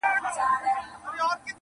د هیلو تر مزاره مي اجل راته راغلی.!